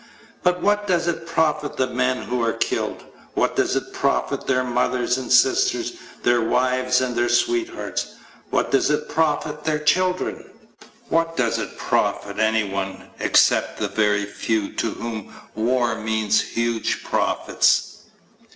But what does it profit the men who are killed? What does it profit their mothers and sisters, their wives and their sweethearts? What does it profit their children? What does it profit anyone except the very few to whom war means huge profits?